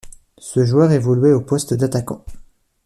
Ce joueur évoluait au poste d'attaquant.